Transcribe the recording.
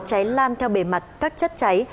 cháy lan theo bề mặt các chất cháy